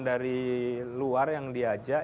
dari luar yang diajak